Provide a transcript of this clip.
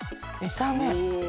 炒め。